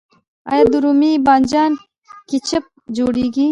آیا د رومي بانجان کیچپ جوړیږي؟